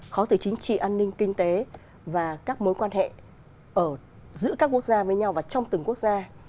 khó từ chính trị an ninh kinh tế và các mối quan hệ giữa các quốc gia với nhau và trong từng quốc gia